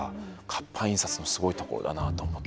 活版印刷のすごいところだなと思ってます。